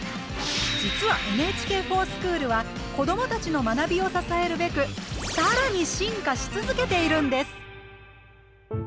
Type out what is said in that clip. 実は「ＮＨＫｆｏｒＳｃｈｏｏｌ」は子どもたちの学びを支えるべくさらに進化し続けているんです！